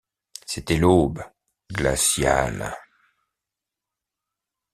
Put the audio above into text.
C’était l’aube, glaciale.